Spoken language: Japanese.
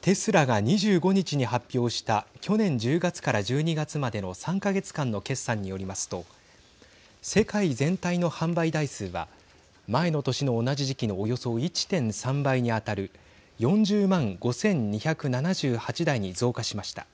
テスラが２５日ニ発表した去年１０月から１２月までの３か月間の決算によりますと世界全体の販売台数は前の年の同じ時期のおよそ１．３倍に当たる４０万５２７８台に増加しました。